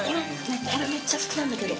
これめっちゃ好きなんだけど。